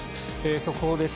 速報です。